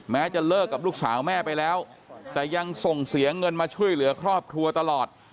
จะเลิกกับลูกสาวแม่ไปแล้วแต่ยังส่งเสียเงินมาช่วยเหลือครอบครัวตลอด